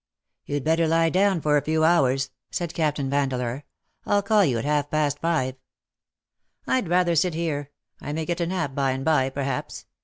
'' YouM better lie down for a few hours/'' said Captain Vandeleur. ^' I'll call you at half past five/^ " Vd rather sit here. I may get a nap by and by perhaps.